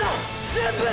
全部！！